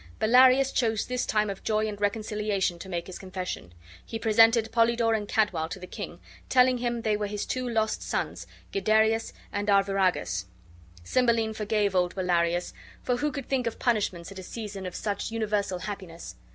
Bellarius chose this time of joy and reconciliation to make his confession. He presented Polydore and Cadwal to the king, telling him they were his two lost sons, Guiderius and Arviragus. Cymbeline forgave old Bellarius; for who could think of punishments at a season of such universal happiness?